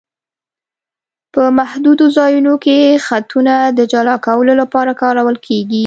په محدودو ځایونو کې خطونه د جلا کولو لپاره کارول کیږي